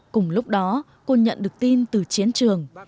cùng lúc đó cô nhận được tin từ chiến trường